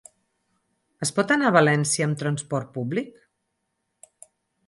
Es pot anar a València amb transport públic?